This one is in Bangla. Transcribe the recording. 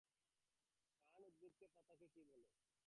ফার্ন উদ্ভিদের পাতাকে কী বলে?